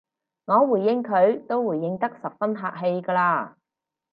我回應佢都回應得十分客氣㗎喇